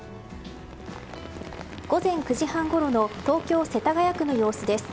午前９時半ごろの東京・世田谷区の様子です。